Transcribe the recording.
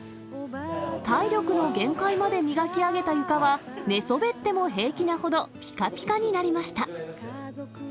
体力の限界まで磨き上げた床は、寝そべっても平気なほど、ぴかぴかになりました。